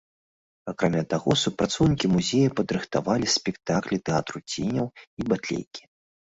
Акрамя таго, супрацоўнікі музея падрыхтавалі спектаклі тэатру ценяў і батлейкі.